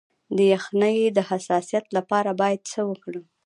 د یخنۍ د حساسیت لپاره باید څه وکړم؟